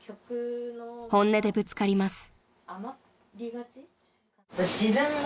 ［本音でぶつかります］